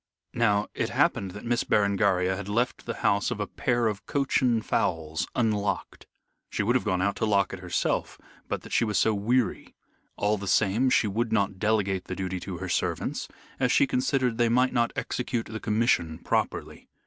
Now it happened that Miss Berengaria had left the house of a pair of Cochin fowls unlocked. She would have gone out to lock it herself but that she was so weary. All the same, she would not delegate the duty to her servants, as she considered they might not execute the commission properly.